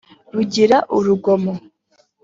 rugira urugomo